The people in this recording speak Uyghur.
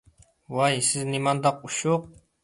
ۋاي سىز نېمانداق ئۇششۇق!